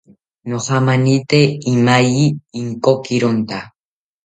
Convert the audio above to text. Nojamanite imaye inkokironta